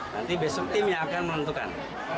nanti besok timnya akan menentukan